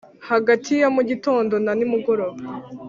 hagati ya mu gitondo na nimugoroba